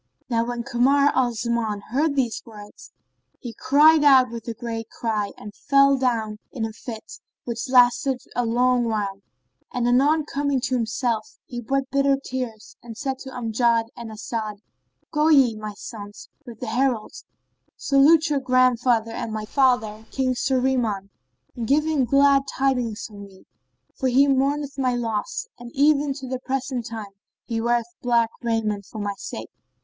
No vv when Kamar al Zaman heard these words, he cried out with a great cry and fell down in a fainting fit which lasted a long while; and anon coming to himself he wept bitter tears and said to Amjad and As'ad, "Go ye, O my sons, with the herald, salute your grandfather and my father, King Shahriman and give him glad tidings of me, for he mourneth my loss and even to the present time he weareth black raiment for my sake."